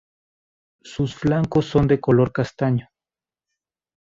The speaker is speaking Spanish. Sus flancos son de color castaño.